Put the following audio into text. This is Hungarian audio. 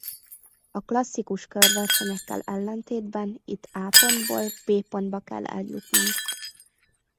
A klasszikus körversenyekkel ellentétben itt A pontból B pontba kell eljutnunk.